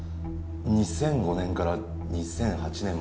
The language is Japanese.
２００５年から２００８年まで。